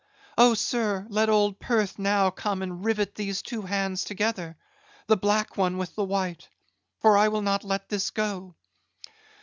Oh, sir, let old Perth now come and rivet these two hands together; the black one with the white, for I will not let this go."